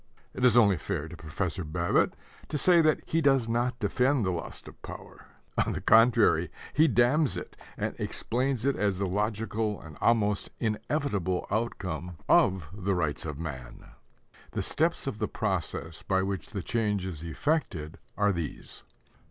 It is only fair to Professor Babbitt to say that he does not defend the lust of power. On the contrary, he damns it, and explains it as the logical and almost inevitable outcome of the rights of man! The steps of the process by which the change is effected are these.